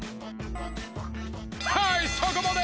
はいそこまで！